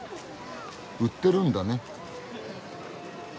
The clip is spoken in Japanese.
売ってるんだね。